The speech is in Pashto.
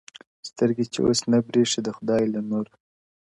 سترگي چي اوس نه برېښي د خدای له نور!